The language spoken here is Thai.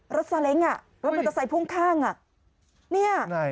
ซาเล้งอ่ะรถมอเตอร์ไซคุ่งข้างอ่ะ